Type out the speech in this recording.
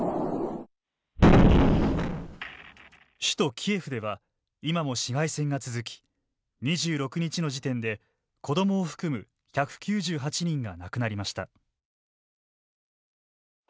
首都キエフでは今も市街戦が続き２６日の時点で子どもを含む１９８人が亡くなりました。